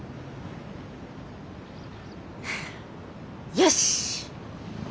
よし！